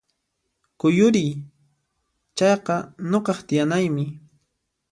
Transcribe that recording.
Kuyuriy! Chayqa nuqaq tiyanaymi